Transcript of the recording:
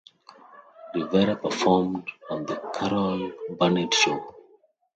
Rivera performed on The Carol Burnett Show.